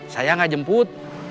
saya gak jemput